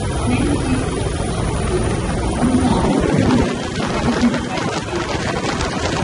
Many people now use crouton for croute, so the usage has changed.